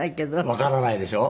わからないでしょ？